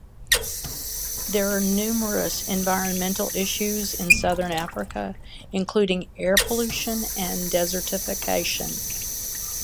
There are numerous environmental issues in Southern Africa, including air pollution and desertification.